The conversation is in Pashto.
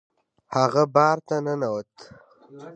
هغه بار ته ننوت.